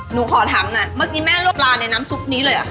หนูขอทำน่ะเมื่อกี้แม่ลวกปลาในน้ำซุปนี้เลยอะค่ะ